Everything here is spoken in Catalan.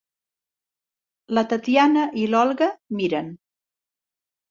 La Tatyana i l'Olga miren.